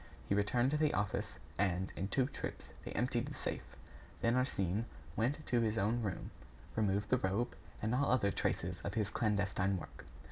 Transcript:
He returned to the office, and, in two trips, they emptied the safe. Then Arsène went to his own room, removed the rope, and all other traces of his clandestine work.